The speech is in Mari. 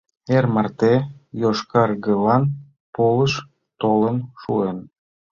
Эр марте йошкаргылан полыш толын шуын.